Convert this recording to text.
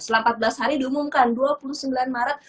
selama empat belas hari diumumkan dua puluh sembilan maret